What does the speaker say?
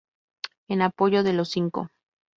En apoyo de los Cinco.